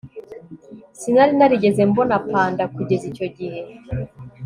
Sinari narigeze mbona panda kugeza icyo gihe